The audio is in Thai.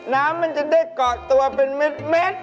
น้ำมันจะได้เกาะตัวเป็นเม็ด